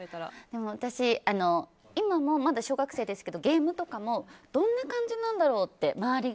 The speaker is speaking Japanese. でも私今はまだ小学生ですけどゲームとかも周りがどんな感じなんだろうって。